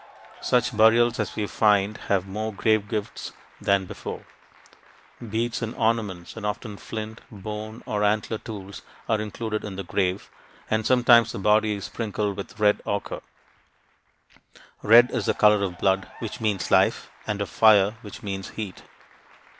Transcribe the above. Such burials as we find have more grave gifts than before. Beads and ornaments and often flint, bone, or antler tools are included in the grave, and sometimes the body is sprinkled with red ochre. Red is the color of blood, which means life, and of fire, which means heat.